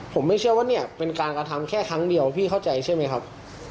ผมไม่เชื่อว่าเนี่ยเป็นการกระทำแค่ครั้งเดียวพี่เข้าใจใช่ไหมครับ